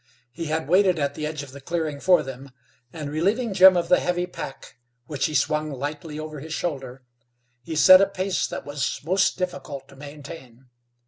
He had waited at the edge of the clearing for them, and, relieving Jim of the heavy pack, which he swung slightly over his shoulder, he set a pace that was most difficult to maintain.